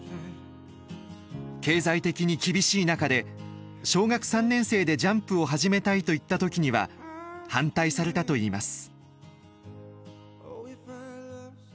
経済的に厳しい中で小学３年生でジャンプを始めたいと言った時には反対されたといいます。